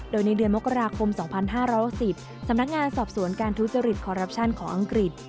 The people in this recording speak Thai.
โดยในเดือนมกราคม๒๕๖๐สำนักงานสอบสวนการทุจริตคอรัปชั่นของอังกฤษ